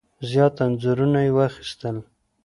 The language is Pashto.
زیات انځورونه یې واخیستل.